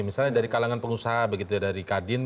misalnya dari kalangan pengusaha begitu ya dari kadin